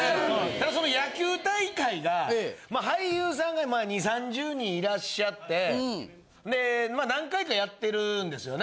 ただその野球大会が俳優さんが２０３０人いらっしゃってで何回かやってるんですよね。